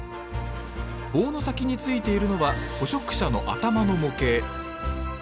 棒の先についているのは捕食者の頭の模型